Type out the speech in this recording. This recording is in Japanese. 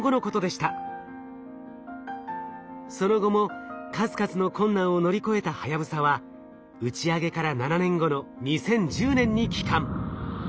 その後も数々の困難を乗り越えたはやぶさは打ち上げから７年後の２０１０年に帰還。